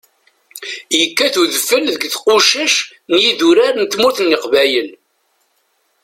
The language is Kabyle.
Yekkat udfel deg tqucac n yidurar n tmurt n Leqbayel.